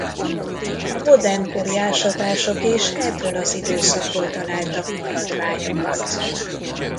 A modern kori ásatások is ebből az időszakból találtak maradványokat.